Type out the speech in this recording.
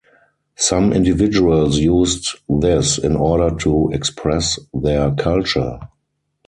Some individuals used this in order to express their culture.